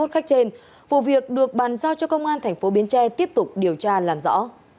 một mươi một khách trên vụ việc được bàn giao cho công an thành phố biến tre tiếp tục điều tra làm rõ